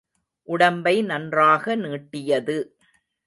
உடம்பை நன்றாக நீட்டியது.